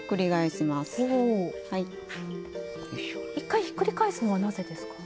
１回ひっくり返すのはなぜですか？